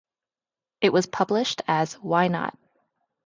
It was published as Why Not?